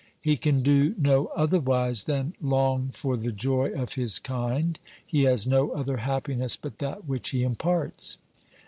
He can do no otherwise OBERMANN 329 than long for the joy of his kind ; he has no other happiness but that which he imparts.